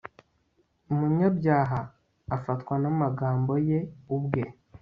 umunyabyaha afatwa n'amagambo ye ubwe